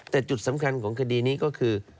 แต่จุดสำคัญของคดีนี้ก็คือ